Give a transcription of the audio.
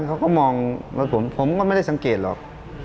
เขาก็มองรถผมผมก็ไม่ได้สังเกตหรอก